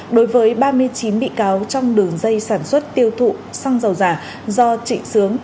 đối với ba mươi chín bị cáo trong đường dây sản xuất tiêu thụ xăng dầu giả do trịnh sướng